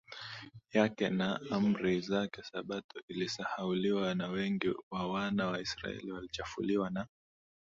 yake na Amri zake Sabato ilisahauliwa na Wengi wa wana wa Israeli walichafuliwa na